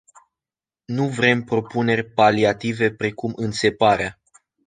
Nu vrem propuneri paliative precum "înțeparea”.